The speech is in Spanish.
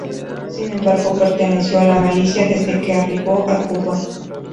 Sin embargo, perteneció a la milicia desde que arribó a Cuba.